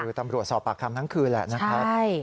คือตำรวจสอบปากคำทั้งคืนแหละนะครับ